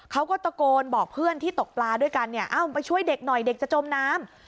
เขาก็ตะโกนบอกเพื่อนที่ตกปลาด้วยกันเนี่ยเอ้ามาช่วยเด็กหน่อยเด็กจะจมน้ำ